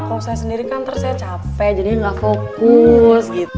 kalau saya sendiri kan terus saya capek jadi nggak fokus